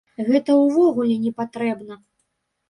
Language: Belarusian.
Гэта ўвогуле не патрэбна.